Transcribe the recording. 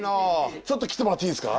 ちょっと来てもらっていいですか？